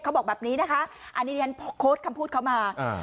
เขาบอกแบบนี้นะคะอันนี้เรียนโค้ดคำพูดเขามาอ่า